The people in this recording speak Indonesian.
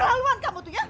keterlaluan kamu itu ya